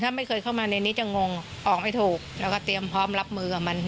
ถ้าไม่เคยเข้ามาในนี้จะงงออกไม่ถูกแล้วก็เตรียมพร้อมรับมือกับมัน